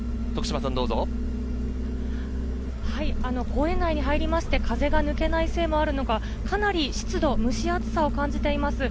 公園内に入りまして風が抜けないせいもあるのか、かなり湿度、蒸し暑さを感じています。